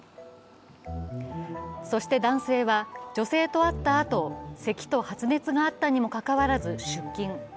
そして男性は、女性と会ったあとせきと発熱があったにもかかわらず出勤。